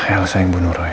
elsa yang bunuh roy